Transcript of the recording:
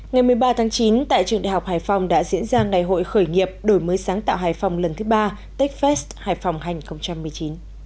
ngày một mươi ba tháng chín tại trường đại học hải phòng đã diễn ra ngày hội khởi nghiệp đổi mới sáng tạo hải phòng lần thứ ba techfest hải phòng hai nghìn một mươi chín